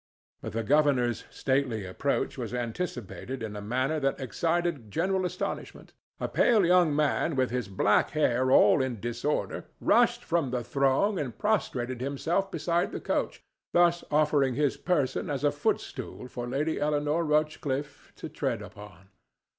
But the governor's stately approach was anticipated in a manner that excited general astonishment. A pale young man with his black hair all in disorder rushed from the throng and prostrated himself beside the coach, thus offering his person as a footstool for Lady Eleanore Rochcliffe to tread upon.